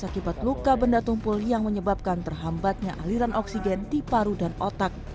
akibat luka benda tumpul yang menyebabkan terhambatnya aliran oksigen di paru dan otak